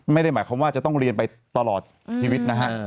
ไม่ได้หมายความว่าจะต้องเรียนไปตลอดชีวิตนะฮะ